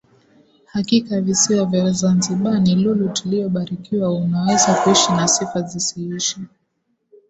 Hakika visiwa vya zanzibar ni lulu tuliyobarikiwa unaweza kuisha na sifa zisiishe